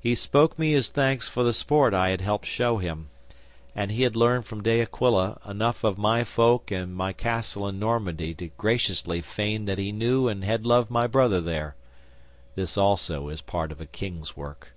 'He spoke me his thanks for the sport I had helped show him, and he had learned from De Aquila enough of my folk and my castle in Normandy to graciously feign that he knew and had loved my brother there. (This, also, is part of a king's work.)